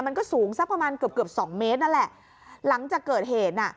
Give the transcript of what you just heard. มันก็สูงสักประมาณเกือบเกือบสองเมตรนั่นแหละหลังจากเกิดเหตุน่ะ